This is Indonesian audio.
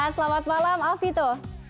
selamat malam alfito